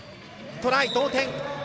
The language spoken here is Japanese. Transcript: トライ、同点。